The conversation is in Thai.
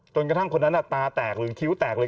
จนกระทั่งคนนั้นตาแตกหรือคิ้วแตกเลย